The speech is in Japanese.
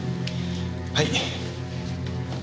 はい。